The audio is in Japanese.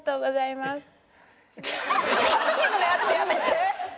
マジのやつやめて！